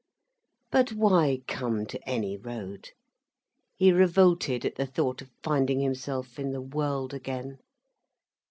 But why come to any road? He revolted at the thought of finding himself in the world again.